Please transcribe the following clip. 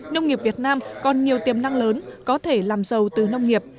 nông nghiệp việt nam còn nhiều tiềm năng lớn có thể làm giàu từ nông nghiệp